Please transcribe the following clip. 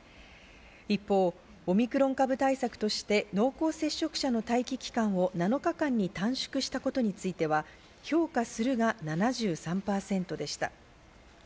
一方、オミクロン株対策として濃厚接触者の待機期間を７日間に短縮したことについては、評価するが７３％でした。